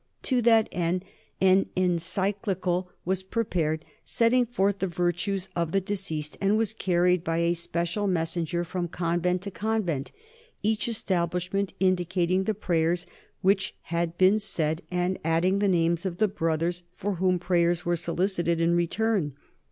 To that end an encyclical was prepared setting forth the virtues of the deceased and was carried by a special messenger from convent to convent, each establishment indicating the prayers which had there been said and adding the names of the brothers for whom prayers were solicited in return.